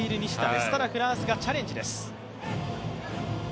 ですがフランスがチャレンジです。